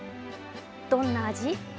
どんな味？